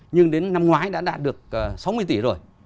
nhưng đến năm ngoái đã đạt được sáu mươi tỷ rồi